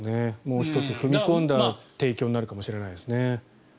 もう１つ踏み込んだ提供になるかもしれないですね。